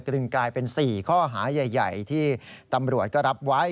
จึงกลายเป็น๔ข้อหาใหญ่ที่ตำรวจก็รับไว้